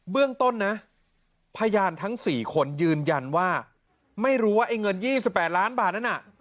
เรื่องต้นนะพยานทั้ง๔คนยืนยันว่าไม่รู้ว่าไอ้เงิน๒๘ล้านบาทนั้นน่ะ